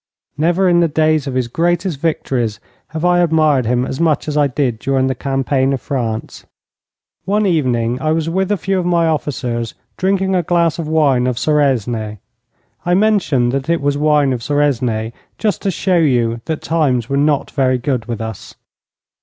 Never in the days of his greatest victories have I admired him as much as I did during the Campaign of France. One evening I was with a few of my officers, drinking a glass of wine of Suresnes. I mention that it was wine of Suresnes just to show you that times were not very good with us.